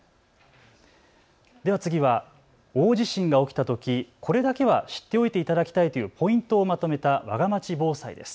次は大地震が起きたときこれだけは知っておいていただきたいというポイントをまとめたわがまち防災です。